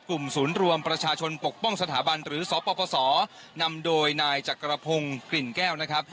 ศูนย์รวมประชาชนปกป้องสถาบันหรือสปสนำโดยนายจักรพงศ์กลิ่นแก้วนะครับ